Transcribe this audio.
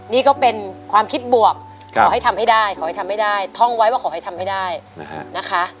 นี่ก็เป็นความคิดบวกขอให้ทำให้ได้ขอให้ทำให้ได้ท่องไว้ว่าขอให้ทำให้ได้นะคะ